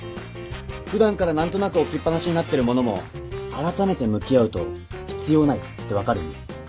普段から何となく置きっぱなしになってる物もあらためて向き合うと必要ないって分かるんで。